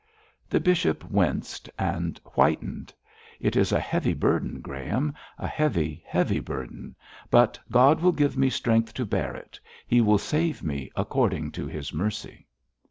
The bishop winced and whitened. 'It is a heavy burden, Graham, a heavy, heavy burden, but God will give me strength to bear it. He will save me according to His mercy.'